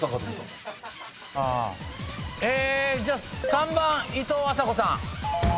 ３番いとうあさこさん。